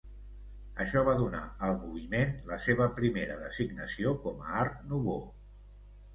Això va donar al moviment la seva primera designació com a Art Nouveau.